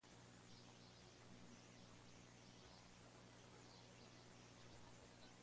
Saco un Posgrado en Derecho Empresarial, en la Universidad Tecnológica de El Salvador.